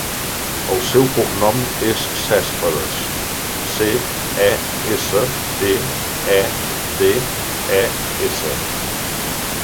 El seu cognom és Cespedes: ce, e, essa, pe, e, de, e, essa.